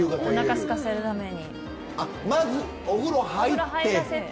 まずお風呂入らせて。